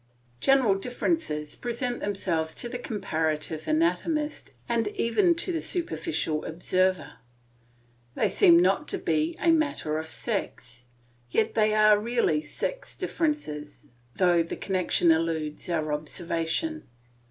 General differences present themselves to the comparative anatomist and even to the superficial observer; they seem not to be a matter of sex; yet they are really sex differences, though the connection eludes our observation.